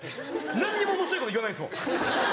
何にもおもしろいこと言わないんですもん。